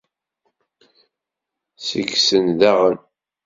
Seg-sen daɣen.